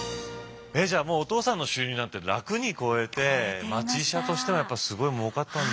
えっじゃあもうお父さんの収入なんて楽に超えて町医者としてはやっぱすごいもうかったんだ。